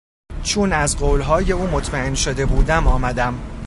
چون از قولهای او مطمئن شده بودم آمدم.